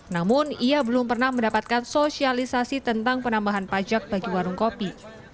namun ia belum pernah mendapatkan sosialisasi tentang penambahan pajak bagi warung kopi